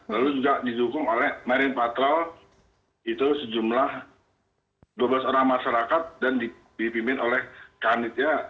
lalu juga didukung oleh marine patrol itu sejumlah dua belas orang masyarakat dan dipimpin oleh kanitnya